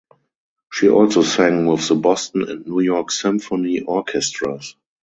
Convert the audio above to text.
She also sang with the Boston and New York Symphony Orchestras.